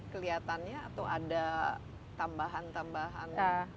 kelihatannya atau ada tambahan tambahan